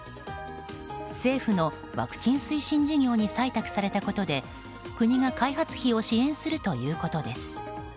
政府のワクチン推進事業に採択されたことで国が開発費を支援するということです。